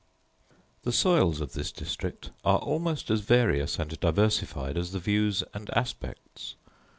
The soils of this district are almost as various and diversified as the views and aspects.